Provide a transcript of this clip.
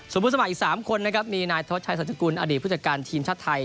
ส่วนผู้สมัครอีก๓คนนะครับมีนายทศชัยสัจกุลอดีตผู้จัดการทีมชาติไทย